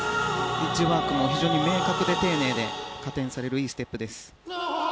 エッジワークも非常に明確で丁寧で加点されるいいステップです。